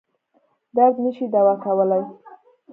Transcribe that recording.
درد نه شي دوا کولای.